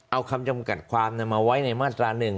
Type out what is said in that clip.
เอาคำจำกัดความมาไว้ในมาตรา๑